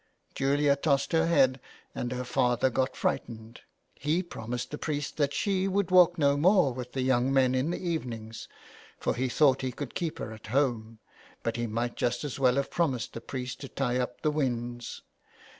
Julia tossed her head, and her father got frightened. He promised the priest that she should walk no more with the young men in the evenings, for he thought he could keep her at home ; but he might just as well have promised the priest to tie up the winds.